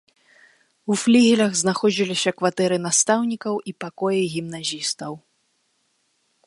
У флігелях знаходзіліся кватэры настаўнікаў і пакоі гімназістаў.